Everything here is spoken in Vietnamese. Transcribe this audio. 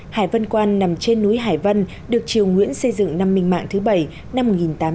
hải vân quan nằm trên núi hải vân được triều nguyễn xây dựng năm minh mạng thứ bảy năm một nghìn tám trăm tám mươi